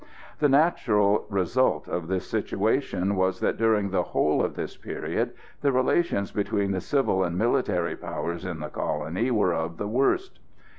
The natural result of this situation was that during the whole of this period the relations between the civil and military powers in the colony were of the worst.